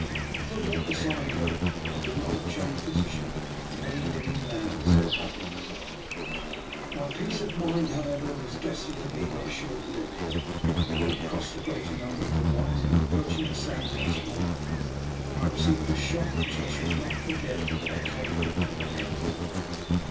As I walked beside her, I would not have changed position with any living man, so happy was I. My peace of mind, however, was destined to be but short lived. We had crossed the greater number of the rocks, and were approaching the sand once more, when I received a shock which I shall not forget as long as I can remember anything.